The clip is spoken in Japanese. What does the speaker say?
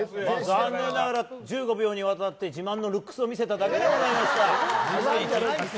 残念ながら１５秒にわたって自慢のルックスを見せただけでございました。